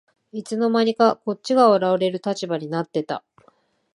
いつの間にかこっちが笑われる立場になってた